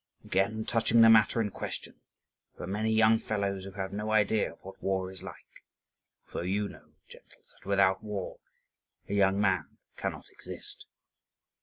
Again, touching the matter in question, there are many young fellows who have no idea of what war is like, although you know, gentles, that without war a young man cannot exist.